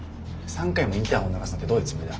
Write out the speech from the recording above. ３回もインターフォン鳴らすなんてどういうつもりだ。